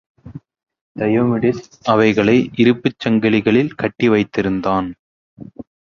Diomedes அவைகளை இருப்புச் சங்கிலிகளில் கட்டி வைத்திருந்தான்.